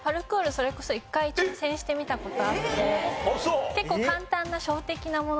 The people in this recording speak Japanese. それこそ一回挑戦してみた事あって結構簡単な初歩的なものだけだったんですけど。